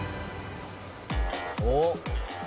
「おっ」